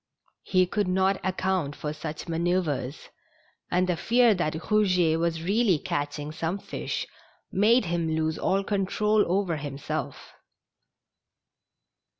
lie could not account for such manoeuvres, and the fear that Rougetwas really catching some fish made him lose all control over himself.